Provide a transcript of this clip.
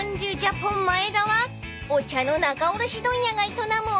［はお茶の仲卸問屋が営むお店］